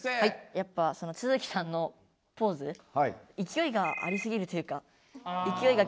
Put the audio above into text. やっぱその都築さんのポーズ勢いがありすぎるというか勢いが急に来てバッみたいな。